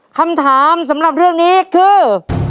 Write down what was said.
คำถามสำหรับเรื่องนี้คือ